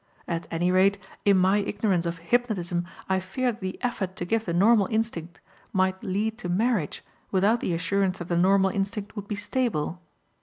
At any rate, in my ignorance of hypnotism I fear that the effort to give the normal instinct might lead to marriage without the assurance that the normal instinct would be stable.